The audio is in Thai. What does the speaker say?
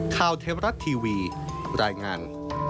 ข่าวเทพรัฐทีวีรายงาน